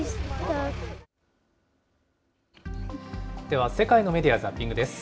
では世界のメディア・ザッピングです。